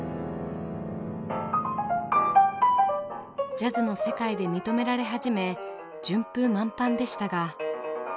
ジャズの世界で認められ始め順風満帆でしたが。